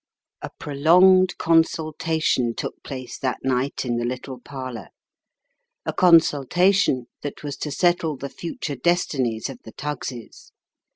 A prolonged consultation took place, that night, in the little parlour a consultation that was to settle the future destinies of the Tuggs's.